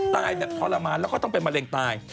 ตายแบบทรมานแล้วก็ต้องเป็นมะเร็งตาย